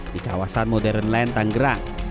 di kawasan modern line tangerang